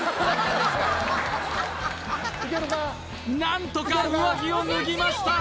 何とか上着を脱ぎました